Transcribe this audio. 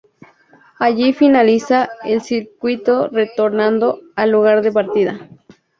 Allí finaliza el circuito retornando al lugar de partida.